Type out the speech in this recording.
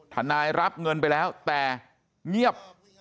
นายรับเงินไปแล้วแต่เงียบ